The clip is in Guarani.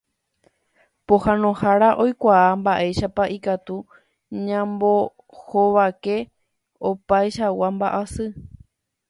Pohãnohára oikuaa mba'éichapa ikatu ñambohovake opaichagua mba'asy.